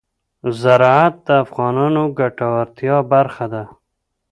زراعت د افغانانو د ګټورتیا برخه ده.